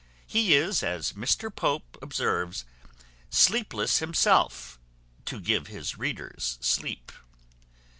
He is, as Mr Pope observes, Sleepless himself to give his readers sleep.